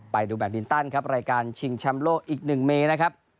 ไปดูแบตมินตันครับรายการชิงแชมป์โลกอีก๑เมนะครับ